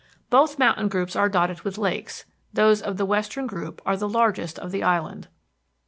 Both mountain groups are dotted with lakes; those of the western group are the largest of the island.